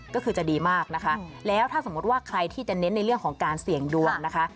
ก็คือจะดีมากนะคะแล้วถ้าสมมติว่าใครที่จะเน้นในเรื่องของการเสี่ยงดวงนะคะ